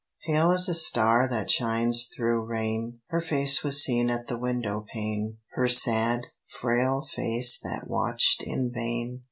Pale as a star that shines through rain Her face was seen at the window pane, Her sad, frail face that watched in vain.